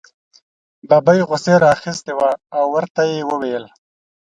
ببۍ غوسې را اخیستې وه او ورته یې وویل.